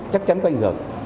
chắc chắn có ảnh hưởng